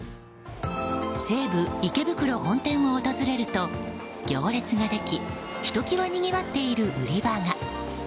西武池袋本店を訪れると行列ができひときわにぎわっている売り場が。